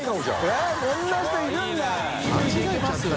舛こんな人いるんだ。